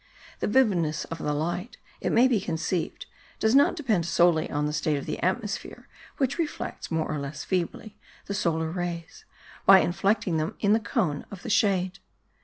The vividness of the light, it may be conceived, does not depend solely on the state of the atmosphere, which reflects, more or less feebly, the solar rays, by inflecting them in the cone of the shade.